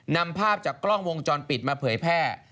นำภาพจากกล้องวงจรปิดมาเผยแพร่